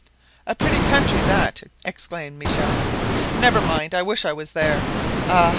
"A pretty country, that!" exclaimed Michel. "Never mind! I wish I was there! Ah!